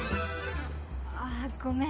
あごめん。